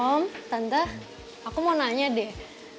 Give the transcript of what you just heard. om tante aku mau nanya deh